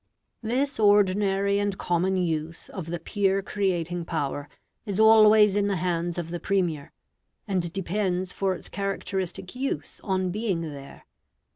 This ordinary and common use of the peer creating power is always in the hands of the Premier, and depends for its characteristic use on being there.